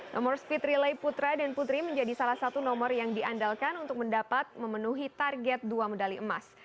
nomor speed relay putra dan putri menjadi salah satu nomor yang diandalkan untuk mendapat memenuhi target dua medali emas